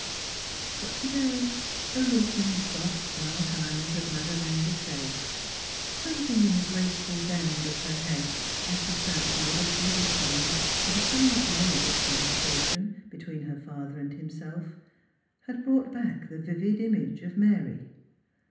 But today a look in the soft dark eyes of Madelaine Desaye, something in the graceful bend of her head as she sat modestly listening to the somewhat labored conversation between her father and himself, had brought back the vivid image of Mary.